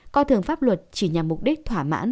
coi thường pháp luật chỉ nhằm mục đích thỏa mãn